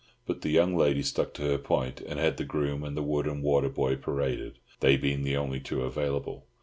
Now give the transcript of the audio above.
But the young lady stuck to her point, and had the groom and the wood and water boy paraded, they being the only two available.